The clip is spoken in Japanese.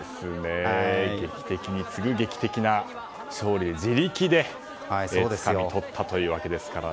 劇的に次ぐ劇的な勝利で自力でつかみ取ったというわけですからね。